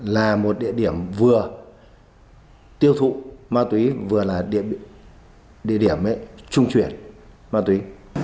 là một địa điểm vừa tiêu thụ ma túy vừa là địa điểm trung chuyển ma túy